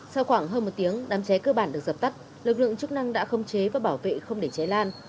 sau khoảng hơn một tiếng đám cháy cơ bản được dập tắt lực lượng chức năng đã không chế và bảo vệ không để cháy lan